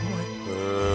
へえ。